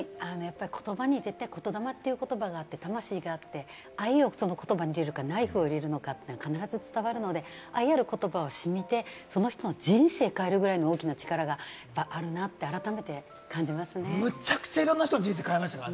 言葉に言霊という言葉があって、魂があって、愛をその言葉に入れるか、ナイフを入れるのか、必ず伝わるので、愛あることばがしみて、その人の人生を変えるぐらいの大きな力があるなって改めて感じますね。